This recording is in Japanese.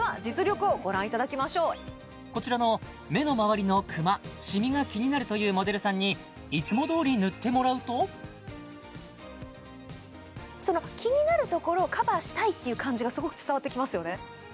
ねえこちらの目の周りのクマ・シミが気になるというモデルさんにいつもどおり塗ってもらうと気になるところをカバーしたいっていう感じがすごく伝わってきますよね